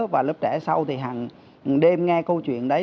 và lớp trẻ sau thì hàng đêm nghe câu chuyện đấy